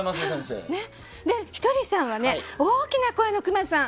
ひとりさんは大きな声のクマさん